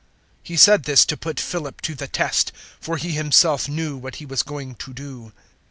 006:006 He said this to put Philip to the test, for He Himself knew what He was going to do.